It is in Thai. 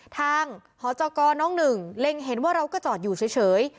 หจกน้องหนึ่งเล็งเห็นว่าเราก็จอดอยู่เฉย